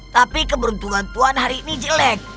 tapi keberuntungan puan hari ini jelek